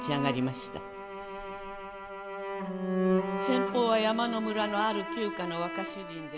先方は山野村の或る旧家の若主人で」。